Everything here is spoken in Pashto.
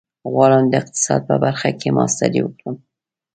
غواړم د اقتصاد په برخه کې ماسټري وکړم.